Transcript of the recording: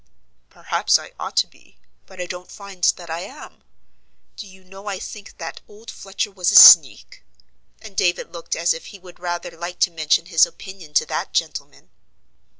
"Perhaps I ought to be, but I don't find that I am. Do you know I think that old Fletcher was a sneak?" and David looked as if he would rather like to mention his opinion to that gentleman.